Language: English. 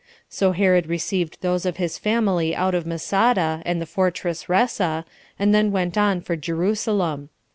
So Herod received those of his family out of Masada, and the fortress Ressa, and then went on for Jerusalem.